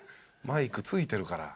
マイク着いてるから。